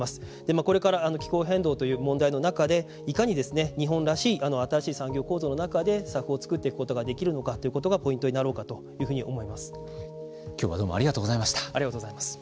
これから気候変動という問題の中でいかに、日本らしい新しい産業構造の中でＳＡＦをつくっていくことができるのかということがポイントになろうかというふうに今日はどうもありがとうございました。